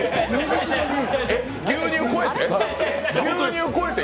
えっ、牛乳超えて？